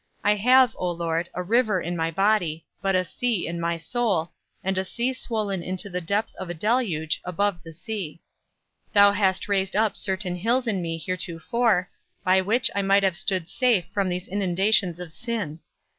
I have, O Lord, a river in my body, but a sea in my soul, and a sea swollen into the depth of a deluge, above the sea. Thou hast raised up certain hills in me heretofore, by which I might have stood safe from these inundations of sin.